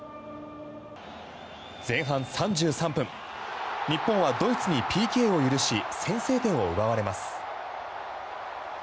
前半３３分日本はドイツにＰＫを許し先制点を奪われます。